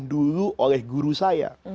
dulu oleh guru saya